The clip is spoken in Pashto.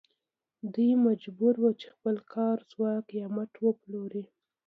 دوی مجبور وو چې خپل کاري ځواک یا مټ وپلوري